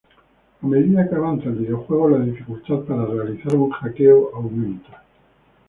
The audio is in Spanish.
A medida que avanza el videojuego, la dificultad para realizar un hackeo aumenta.